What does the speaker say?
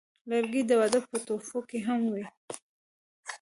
لرګی د واده په تحفو کې هم وي.